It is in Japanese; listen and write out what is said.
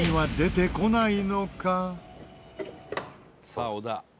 さあ小田。